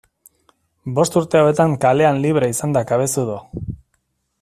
Bost urte hauetan kalean libre izan da Cabezudo.